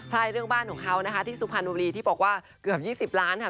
ใช่เรื่องบ้านของเขานะคะที่สุพรรณบุรีที่บอกว่าเกือบ๒๐ล้านค่ะ